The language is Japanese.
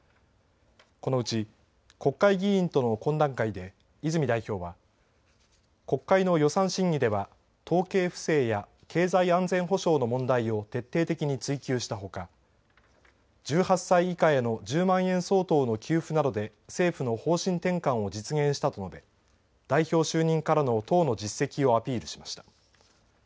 このうち国会議員との懇談会で泉代表は国会の予算審議では統計不正や経済安全保障の問題を徹底的に追及したほか１８歳以下への１０万円相当の給付などで政府の方針転換を実現したと述べ代表就任からの党の実績をアピールしました。